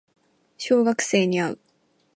小学生に会う